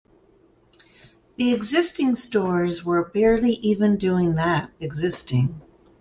The existing stores were barely even doing that -- existing.